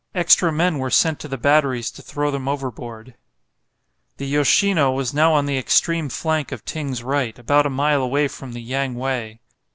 Extra men were sent to the batteries to throw them overboard. The "Yoshino" was now on the extreme flank of Ting's right, about a mile away from the "Yang wei."